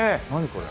これ。